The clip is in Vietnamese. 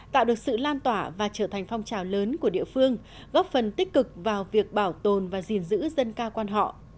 tạo được sự lan tỏa và trở thành phong trào lớn của địa phương góp phần tích cực vào việc bảo tồn và gìn giữ dân ca quan họ